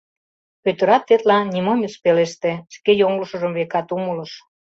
Пӧтырат тетла нимом ыш пелеште, шке йоҥылышыжым, векат, умылыш.